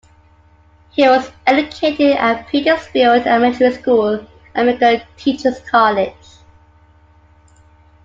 He was educated at Petersfield Elementary School and Mico Teachers' College.